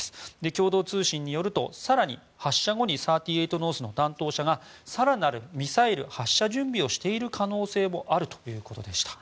共同通信によると更に発射後に、３８ノースの担当者が更なるミサイル発射準備をしている可能性もあるということでした。